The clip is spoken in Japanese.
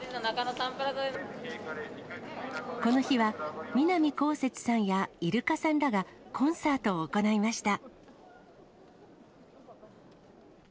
この日は、南こうせつさんやイルカさんらが、コンサートを行いました。